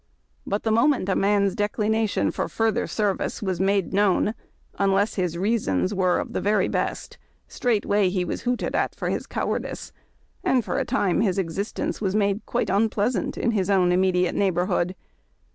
But the moment a man's declination for further service was made known, unless his reasons were of the very best, straight way he was hooted at for his cowardice, and for a time his 26 HARD TACK AND COFFEE. existence was made quite unpleasant in his own immediate neighborhood.